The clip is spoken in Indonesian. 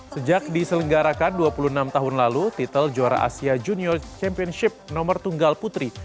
sejak diselenggarakan dua puluh enam tahun lalu titel juara asia junior championship nomor tunggal putri